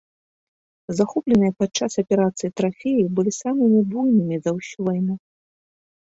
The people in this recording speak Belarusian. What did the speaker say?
Захопленыя падчас аперацыі трафеі былі самымі буйнымі за ўсю вайну.